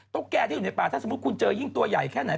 แกที่อยู่ในป่าถ้าสมมุติคุณเจอยิ่งตัวใหญ่แค่ไหน